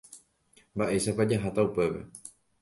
Mba'éichapa jaháta upépe.